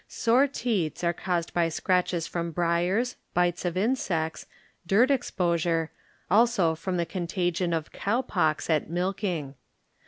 Sore Teats are caused by scratches from briers, bites of insects, dirt expo sure, also from the contagion of cow pox at milking.